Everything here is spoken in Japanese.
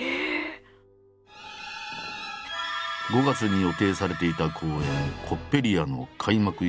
５月に予定されていた公演「コッペリア」の開幕